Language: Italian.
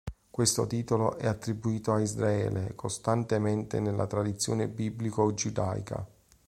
Questo titolo è attribuito a Israele costantemente nella tradizione biblico-giudaica.